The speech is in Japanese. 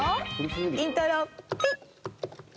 イントロピッ！